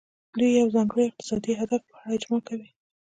دوی د یو ځانګړي اقتصادي هدف په اړه اجماع کوي